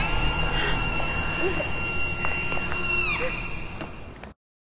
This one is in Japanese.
よいしょ。